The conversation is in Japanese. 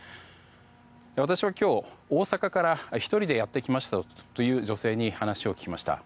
私は今日、大阪から１人でやって来ましたという女性に話を聞きました。